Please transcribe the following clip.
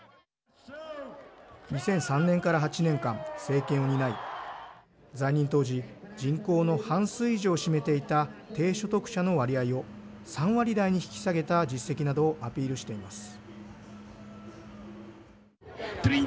２００３年から８年間政権を担い在任当時人口の半数以上を占めていた低所得者の割合を３割台に引き下げた実績などをアピールしています。